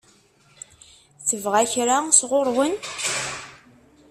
Tebɣa kra sɣur-wen?